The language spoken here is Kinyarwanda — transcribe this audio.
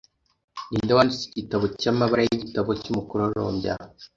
Ninde wanditse igitabo cyamabara yigitabo cyumukororombya